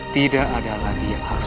tidak ada lagi yang harus